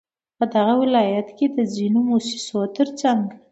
په دغه ولايت كې د ځينو مؤسسو ترڅنگ